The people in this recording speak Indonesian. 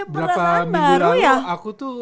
berapa minggu lalu aku tuh